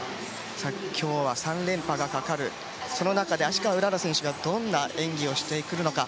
今日は、３連覇がかかるその中で、芦川うらら選手がどんな演技をしてくるか。